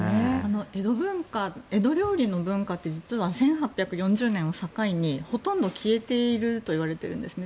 江戸料理の文化って実は１８４０年を境にほとんど消えていると言われているんですね。